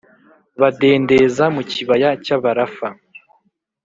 badendeza mu kibaya cy’Abarafa.